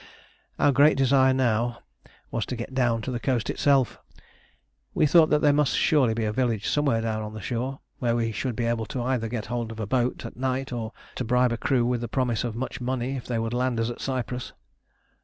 Our great desire now was to get down to the coast itself. We thought that there must surely be a village somewhere down on the shore, where we should be able either to get hold of a boat at night or to bribe a crew with a promise of much money if they would land us at Cyprus.